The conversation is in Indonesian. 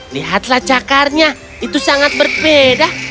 lihatlah cakarnya itu sangat berbeda